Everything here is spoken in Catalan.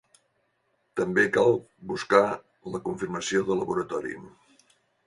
També cal buscar la confirmació de laboratori.